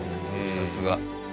さすが。